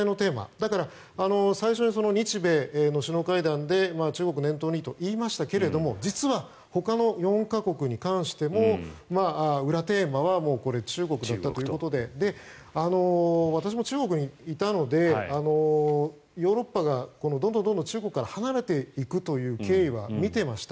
だから、最初に日米の首脳会談で中国を念頭にと言いましたけれども実はほかの４か国に対しても裏テーマは中国だったということで私も中国にいたのでヨーロッパがどんどん中国から離れていくという経緯は見ていました。